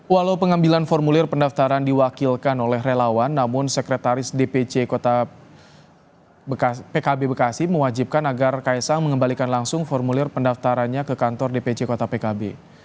walau pengambilan formulir pendaftaran diwakilkan oleh relawan namun sekretaris dpc pkb bekasi mewajibkan agar kaisang mengembalikan langsung formulir pendaftarannya ke kantor dpc kota pkb